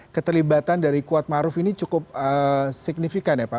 keterlibatan dari kuat ma'ruf ini cukup signifikan ya pak